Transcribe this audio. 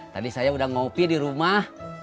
tadi saya udah ngopi di rumah